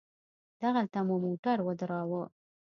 دغلته مو موټر ودراوه.